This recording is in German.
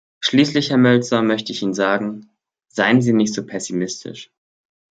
Schließlich, Herr Mölzer, möchte ich Ihnen sagen, seien Sie nicht so pessimistisch.